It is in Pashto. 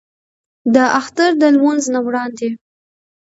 د اختر د لمونځ نه وړاندې